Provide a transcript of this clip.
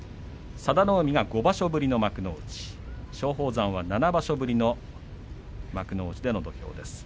佐田の海が５場所ぶりの幕内松鳳山は７場所ぶりの幕内での土俵です。